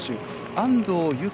安藤友香